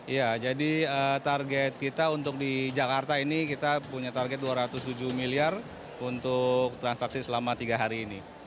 ya jadi target kita untuk di jakarta ini kita punya target dua ratus tujuh miliar untuk transaksi selama tiga hari ini